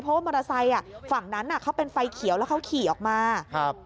เพราะว่ามอเตอร์ไซค์อ่ะฝั่งนั้นอ่ะเขาเป็นไฟเขียวแล้วเขาขี่ออกมาครับ